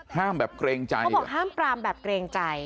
ห้ามแบบเกรงใจเหรอเพราะว่าห้ามปรามแบบเกรงใจ